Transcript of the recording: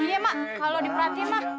iya mak kalau diperhatiin mak